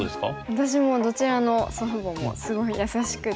私もどちらの祖父母もすごい優しくて。